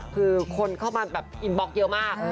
คือคนเข้ามาแบบอินบล็อกเยอะมาก